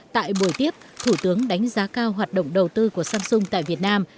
tại buổi tiếp thủ tướng đánh giá cao hoạt động đầu tư của samsung tại việt nam